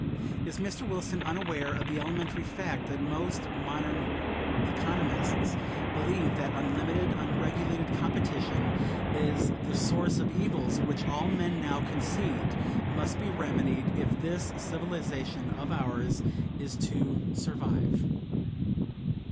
Is Mr. Wilson unaware of the elementary fact that most modern economists believe that unlimited, unregulated competition is the source of evils which all men now concede must be remedied if this civilization of ours is to survive?